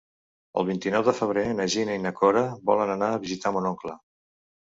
El vint-i-nou de febrer na Gina i na Cora volen anar a visitar mon oncle.